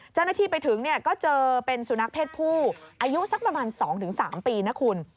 เจ้าหน้าที่ไปถึงเนี่ยก็เจอเป็นสุนัขเพศผู้อายุสักประมาณ๒๓ปีนะคุณ